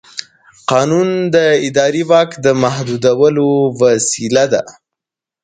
قانون د اداري واک د محدودولو وسیله ده.